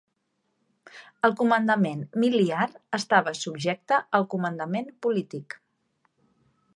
El comandament miliar estava subjecte al comandament polític.